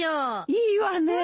・いいわね。